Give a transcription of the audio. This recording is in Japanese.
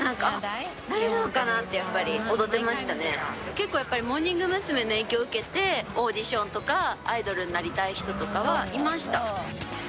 結構やっぱりモーニング娘。の影響を受けてオーディションとかアイドルになりたい人とかはいました。